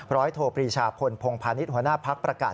ร้อยโทปรีชาพลพงภานิษฐ์หัวหน้าภักรประกาศ